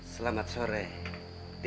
katanya di situ sendiri